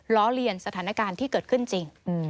เลียนสถานการณ์ที่เกิดขึ้นจริง